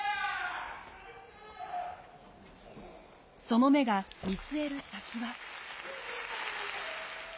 その目が見据える先は。